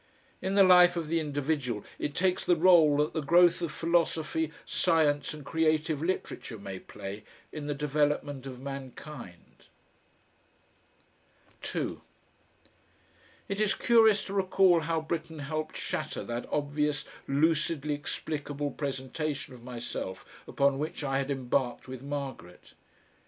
In the life of the individual it takes the role that the growth of philosophy, science, and creative literature may play in the development of mankind. 2 It is curious to recall how Britten helped shatter that obvious, lucidly explicable presentation of myself upon which I had embarked with Margaret.